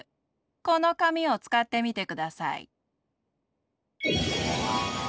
このかみをつかってみてください。